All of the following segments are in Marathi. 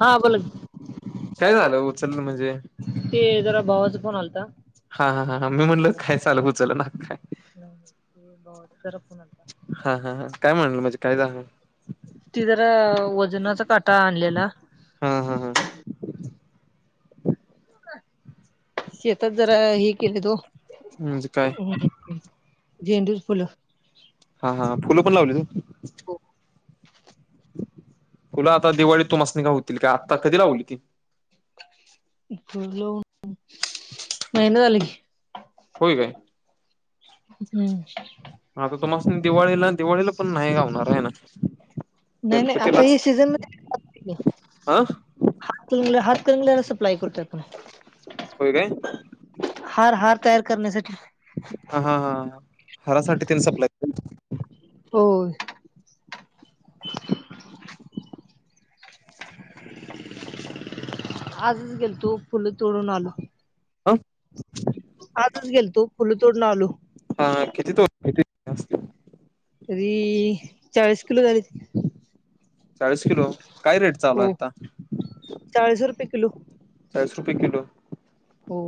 हां बोला की काय झालं? उचललं म्हणजे? ते जरा भावाचं फोन आलता. हा हा हा हा. मी म्हणलं काय झालं, उचलणा का. नाही नाही. ते भावाचा जरा फोन आलता. हा हा हा, काय म्हणालं, म्हणजे काय झालं? ती जरा वजनाचा काटा आणलेला हा हा हा. शेतात जरा हे केलत ओ. म्हणजे काय? झेंडूची फुलं हा हा फुलं पण लावल्यात होय. हो फुलं आता दिवाळीत तुम्हासनी गावतील काय आता कधी लावली ती. फुलं लावून महिना झालं कि. होय काय. हम्म हा आता तुम्हास्नी दिवाळीला दिवाळीला पण नाही गावणार हाय ना. नाही नाही आता गणपतीलाच हे सीझन मध्ये असते. हा हातकणंगल्याला, हातकणंगल्याला सप्लाय करतोय आपण. होय काय? हार, हार तयार करण्यासाठी हां हां हारासाठी तेन सप्लाय - होय. आजच गेलतो फुलं तोडून आलो. ह आजच गेलतो फुलं तोडून आलो. हां किती तोडली? तरी चाळीस किलो झालीत. चाळीस किलो काय रेट चालु हाय हो आता? चाळीस रुपय किलो चाळीस रुपये किलो हो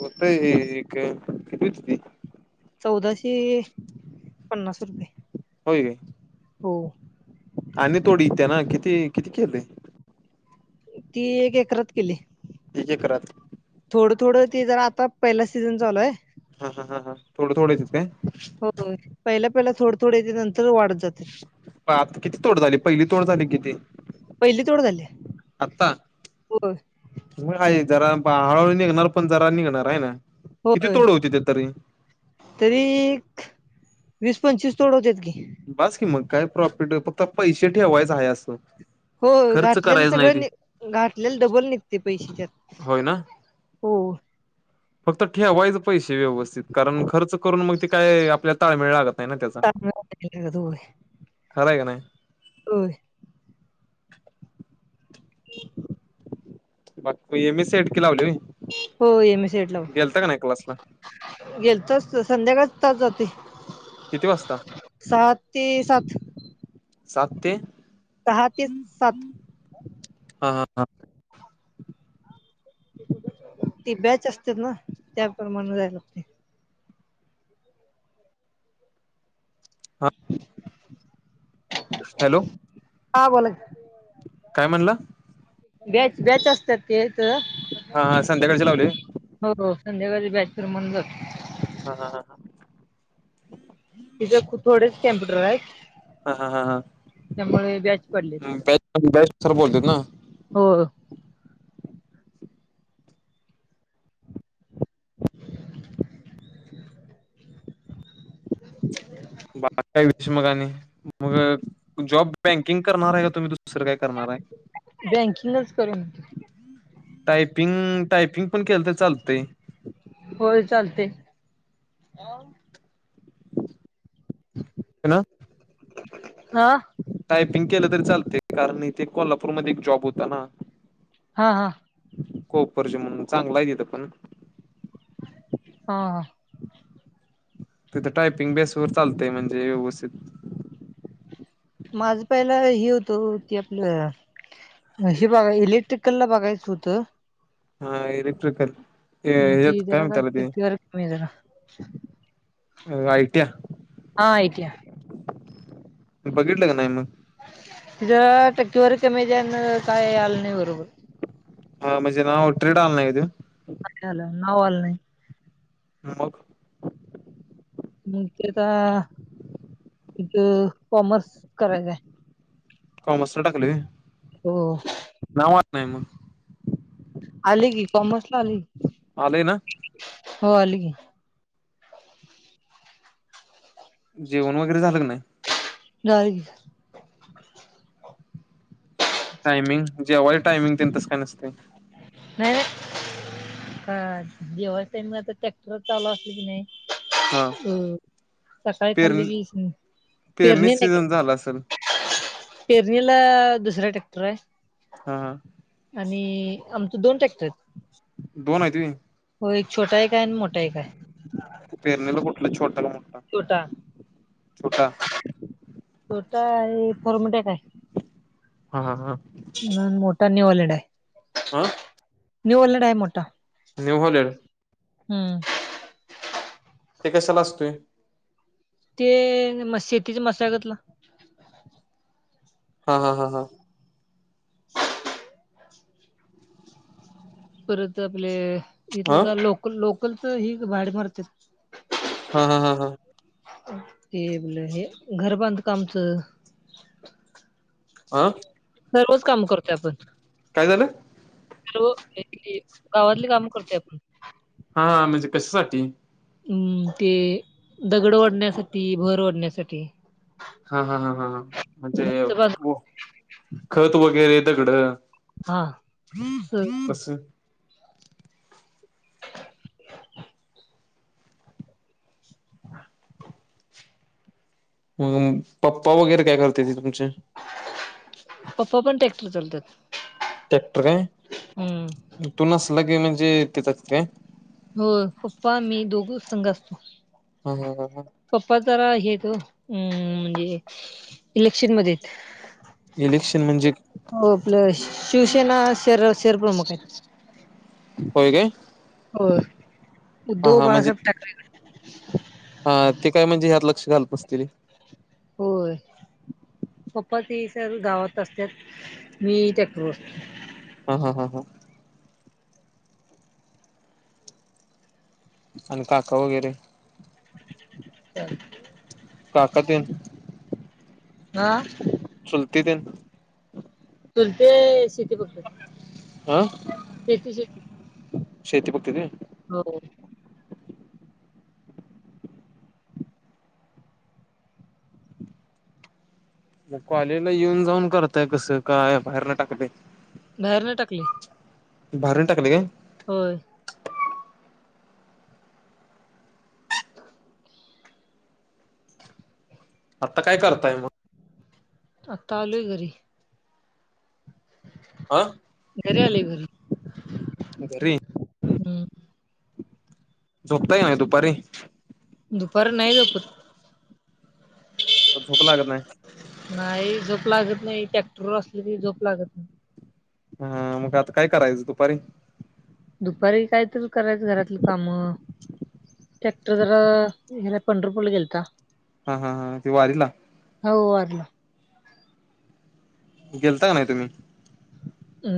होतयं कि एक किती होती ती? चौदाशे पन्नास रुपये. होेय काय? हो. आणि थोडी इत्या ना, किती किती केलयं? ती एक एकरात केलीयं. एक एकरात. थोडं थोडं ते जरा आता, पहिला सीझन चालू हाय. हा हा हा हा, थोडं थोडं येत्यात काय? होय, पहिला पहिला थोडं थोडं येतंय, नंतर वाढत जातंय. बाप! किती तोड झाली? पहिली तोड झाली किती? पहिली तोड झाली. होय. म हाय जरा हळूहळू निघणार, पण जरा निघणार हाय ना? किती होय तोड होती ती तरी? तरी, वीस पंचवीस तोड होत्यात की. बास की मग काय प्रॉफिट, फक्त पैसे ठेवायचं हाय असं. हो खर्च घातलेलं करायच नाही सगळं ते नी, घातलेलं डबल निघतय पैसे त्यात. होय ना? हो फक्त ठेवायचं पैसे व्यवस्थित, कारण खर्च करून मग ते काय आपल्या ताळमेळ लागत - नाही ना त्याचा? तांदळाला होय खरंय काय नाही. होय. बाकि M. S. C. I. T की लावलेली. होय M. S. C. I. T. क्लासला लावलीय. गेलतो. स संध्याकाळचं तास जातोय. किती वाजता? सात सात ते- सहा ते सात. हा हा हा. ती बॅच असत्यात ना, त्याप्रमाणे जायला लागते. हा, हॅलो. हा बोला की. काय म्हणला? बॅच बॅच असत्यात ते हित. हा हा संध्याकाळचे लावले हा हो, संध्याकाळच्या बॅच प्रमाणे जातो. हा हा हा. तिच्या कडे थोडेच कम्प्युटर आहेत? हा हा हा हां. त्यामुळे बॅच पडलेत. बॅच सर बोलतात ना हो. बाकी काय विषय मग आणि? मग जॉब बँकिंग करणार आहे का तुम्ही दुस दुसरं काय करणार आहे? बँकिंगच करून टायपिंग, टायपिंग पण केलं तर चालतंय. होय चालतंय. अं. हॅलो. हा. टायपिंग केलं तरी चालतंय, कारण इथे कोल्हापूरमध्ये एक जॉब होता ना. हा हा. कोपरज म्हणून चांगला आहे तथं पण हा तिथं टायपिंग बेसवर चालतेय म्हणजे व्यवस्थित माझं पहिला हे होतं ते आपलं हे बघा इलेक्ट्रिकलला बघायचं होतं हा इलेक्ट्रिकल मग हे ती काय जरा म्हणत्यात तेला ते टक्केवारी कमी आहे जरा अ आयटीया हा ऐकया बघितलं का नाही मग जरा टक्केवारी कमी आहे त्यानं काय आलं नाही बरोबर हा म्हणजे ट्रेड आला नाही तो हा नाही आल नाव आलं नाही मग मग आता इथ कॉमर्स करायचंय आहे कॉमर्सला टाकलय हो नाव आलं नाही मग आलय की कॉमर्स ला आलय आलय ना हो आल की जेवण वगैरे झालं का नाही झालं की टायमिंग जेवायच टायमिंग तेन तस काय नसतय नाही नाही जेवायचं टाइमिंग आता काय ट्रॅक्टर चालू असल कणी नाही हा हो सकाळी खालं पेरणी की पेरणी पेरणीच नाही केली सीझन झाला असेल पेरणीला दुसरा टॅक्टर आहे हा हा आणि आमच दोन ट्रॅक्टर हेत दोन आहेती. होय छोटा एक हाय अन् मोठा एक हाय. पेरणीला कुठलं छोटा की मोटा छोटा छोटा छोटा आहे फॉर्मटॅक आहे. हा हा हा. नन मोठा न्यूयोलँड हाय. आ. न्यूर्लंड आहे मोठा. नीव्हलेड. हं. ते कशाला असतोय. ते म शेतीच्या मशागतला. हा हा हा हा. परत आपले इथल हा हा जरा लोकल लोकलच ही भाड मारते. हा हा हा हा. ते आपल हे घर बांधकामचं आ दररोज काम आपण करतोय आपण. काय झालं? हॅलो हेच की गावातली काम करतोय आपण. हां म्हंजे कशासाठी? हुं ते दगड वढण्यासाठी भर वाढण्यासाठी. हां हां हां हां हां म्हणजे घरचं बांधकाम खत वगैरे दगडं हा स अस. हुं म पप्पा वगैरे काय करत्याती तुमचे? पप्पा पण ट्रॅक्टर चालवत्यात. टॅक्टर काय तू नसला की म्हणजे तिथेच काय.? हों पप्पा मी दोघ संग असतो. हां हां हां. पप्पा जरा हेे आहेत ओ हुं म्हणजे इलेक्शन मध्येयेत. इलेक्शन म्हणजे? हों आपल शिवसेना शहर शहरप्रमुखहायतं. होय काय? होय हा उद्धव बाळासाहेब ठाकरे हां ते काय म्हणजे ह्यात लक्ष घालत नसतीले? होय पप्पा ते सर गावात असत्यात मी ट्रॅक्टवर असतोयं. हां हां हां हां. आणि काका वैगरे [inaudible] काकातेन? हां. चुलतीतेन चुलते शेती बघतात. आं शेतीशी शेती बघत्यात व्हय? होय. म कॉलेज ला येऊन जाऊन करताय कसं काय? बाहेरन टाकलय? बाहेरनं टाकलयं. बाहेरनं टाकलय काय? होय. आत्ता काय करताय मग? आत्ता आलोय घरी. हा घरी आलोय घरी. घरी हम्म झोपताय का नायी दुपारी? दुपार नायी झोपत. का झोप लागत नाही? नायी झोप लागत नायी ट्रॅक्टरवर असलो की झोप लागत नायी. हां मग आता काय करायचं दुपारी? दुपारी कायतर करायचं घरातली कामं. ट्रॅक्टर जरा हेला पंढरपूला गेलता. हां हां हां ते वारीला? हो वारीला. गेलता का नाही तुम्ही?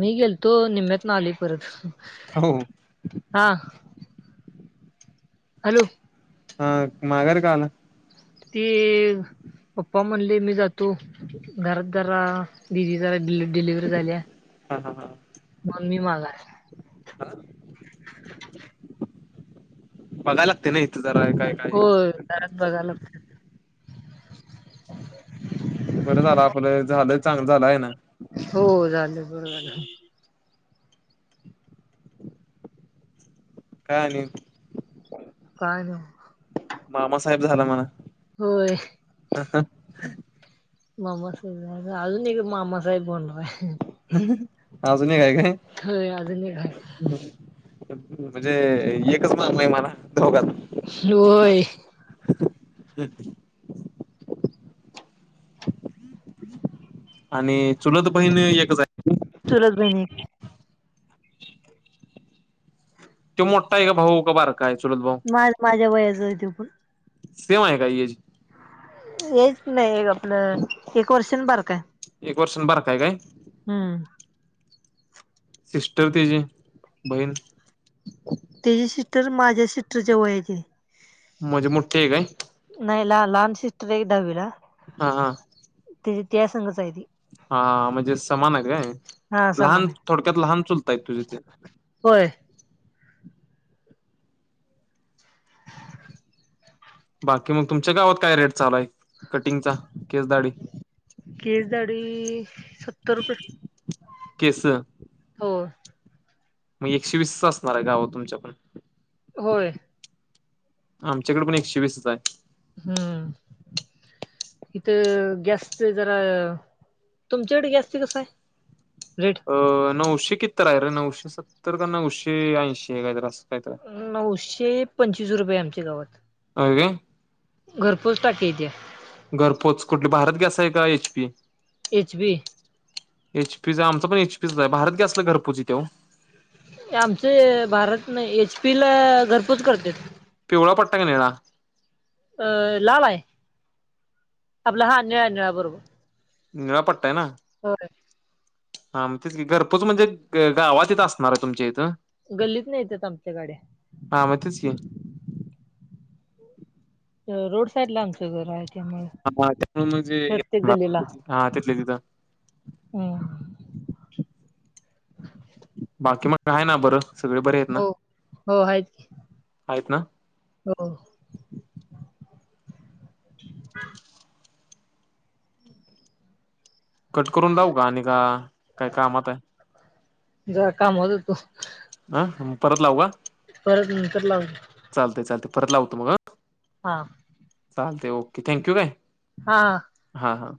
मी गेलतो निम्म्यातन आलोय परत. [inaudible] हा. हॅलो. हा माघारी का आला? ते पप्पा म्हणले मी जातो. घरात जरा दिदी जरा डिलिव्हरी झाली आहे. हा हा हां. मग मी माग हा. [inaudible] बघाय लागते ना इथं जरा काय का होय घरात बघाय लागतं. बरं झालं आपलं झालं चांगलं झालंय ना. हो झालं बरोबर. काय आणि. काय नाही. मामासाहेब झाला मना. होय. मामासाहेब झालो आजुन एकदा मामासाहेब होणारय. अजून एक हाय काय? होय अजून एक हाय. ह. म्हणजे एकच मामा आहे म्हणा दोघांत. होय. हम्. आणि चुलत बहीण एकच आहे. चुलत बहिण एक त्यो मोठा आहे का भाऊ का बारकाय चुलत भाऊ? माझ माझ्या वयाचाय त्यो पण. सेव आहे काय येची. हेच नाही आपलं एक वर्ष बार काय. एक वर्षाने भरतोय काय? हम्म. सिस्टर त्याची बहीण. त्याची सिस्टर माझे सिस्टर च्या वयाची. म्हणजे मोठी काय? नाही ल लहान सिस्टर एक दहावीला. हा हा. त्याची त्या संगच आहे ती. हा म्हणजे समान आहेत काय हा सामान लहान आहे थोडक्यात लहान चुलताय तुझे ते. होय. तुमच्या गावात काय रेट चालय कटिंगचा केस दाढी? केस, दाढी सत्तर रुपये, केस हो. मग एकशे वीसच असणार आहे, गावात तुमच्या पण? होय. आमच्याकडे पण, एकशे वीसच आहे. हम्म, इथं गॅसचं जरा तुमच्याकडे गॅसचं कसं आहे, रेट? अ नऊशे कित्तर आहे रे नऊशे सत्तर का? नऊशे ऐंशी आहे? कायतर असंच काहीतरी आहे. नऊशे पंचवीस रुपये, आमच्या गावात. होय काय. घरपोच टाकी येती. घरपोच कुठली भारत गॅस आहे का H. P.? H. P. H. P. च, आमचं पण एच. पी. चच आहे. भारत गॅसला, घरपोच येती ओ. आमचे भारत नाही, एच. पी. ला घरपोच करतेत. पिवळा पट्टा आहे का निळा? अ लाल आहे. आपला हा निळा, निळा बरोबर. निळापट्टा आहे ना? होय. हा मग तेच की. घरपोच म्हणजे ग गावात येत असणार आहे, तुमच्या इथं. गल्लीतनं येत्यात आमच्या गाड्या. हां, मग तेच की. रोड साईडला, आमचं घर आहे. त्यामुळे त्यामुळं म्हणजे प्रत्येक येणार, गल्लीला हा तिथल्या तिथं. हम्म बाकी मग आहेय ना बरं, सगळे बरे आहेत ना? हो हो आहेत की. आहेत ना? हो. कट करून लावू का आणि का? काय कामात आहे? जरा कामात होतो. आ? परत लावू का? परत नंतर लावू. चालतंय चालतंय, परत लावतो मग हा. हा. चालतंय, ओके. थँक्यू काय. हा. हा हा.